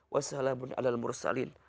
wa salamun ala al mursalin